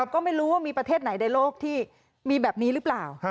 ก็ไม่รู้ว่ามีประเทศไหนในโลกที่มีแบบนี้หรือเปล่า